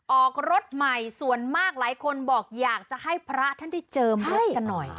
ออกรถใหม่ส่วนมากหลายคนบอกอยากจะให้พระท่านได้เจิมรถกันหน่อย